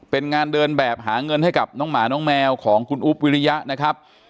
เป็นงานเดินแบบที่ต้องหาเงินให้แมวของคุณอุ๊บวิริยะนะครับ